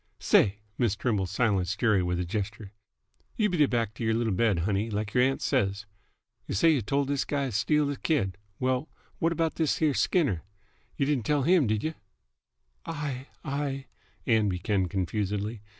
"Say!" Miss Trimble silenced Jerry with a gesture. "You beat 't back t' y'r little bed, honey, like y'r aunt says. Y' say y' told this guy t' steal th' kid. Well, what about this here Skinner? Y' didn't tell him, did y'?" "I I " Ann began confusedly.